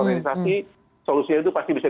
organisasi solusinya itu pasti bisa